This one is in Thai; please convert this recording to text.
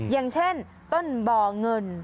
อย่างเช่นต้นบ่อเงิน